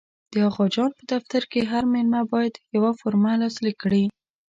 د اغا خان په دفتر کې هر مېلمه باید یوه فورمه لاسلیک کړي.